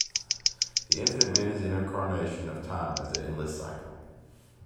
The Infinite Man is the incarnation of Time as an endless cycle.